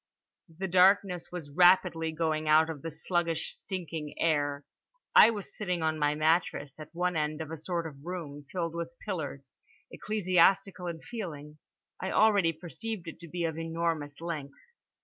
The darkness was rapidly going out of the sluggish stinking air. I was sitting on my mattress at one end of a sort of room, filled with pillars; ecclesiastical in feeling. I already perceived it to be of enormous length.